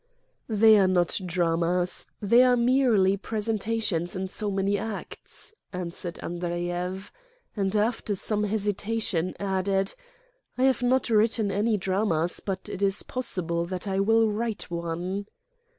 Preface "They are not dramas; they are merely pre sentations in so many acts," answered Andreyev, and, after some hesitation, added: "I have not written any dramas, but it is possible that I will write one."